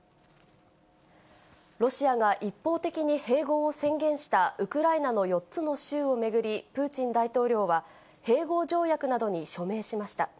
ロシアが一方的に併合を宣言した、ウクライナの４つの州を巡り、プーチン大統領は、併合条約などに署名しました。